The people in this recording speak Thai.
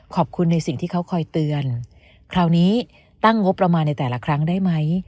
ขอบคุณในสิ่งที่เขาคอยเตือนคราวนี้ตั้งงบประมาณในแต่ละครั้งได้ไหม